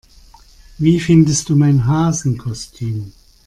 Wie findest du mein Hasenkostüm?